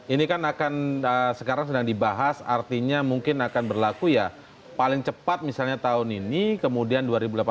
ini kan akan sekarang sedang dibahas artinya mungkin akan berlaku ya paling cepat misalnya tahun ini kemudian dua ribu delapan belas